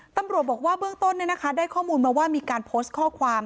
ตำรวจบอกว่าเบื้องต้นได้ข้อมูลมาว่ามีการโพสต์ข้อความ